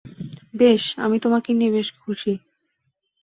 বেশ, আমি তোমাকে নিয়ে বেশ খুশি।